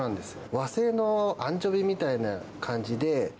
和製のアンチョビみたいな感じで。